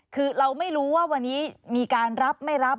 คือเราไม่รู้ว่าวันนี้มีการรับไม่รับ